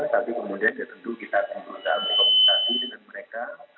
tapi kemudian tentu kita harus berkomunikasi dengan mereka